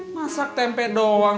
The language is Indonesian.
masak tempe doang